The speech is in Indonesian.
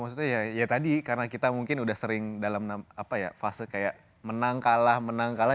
maksudnya ya tadi karena kita mungkin udah sering dalam apa ya fase kayak menang kalah menang kalah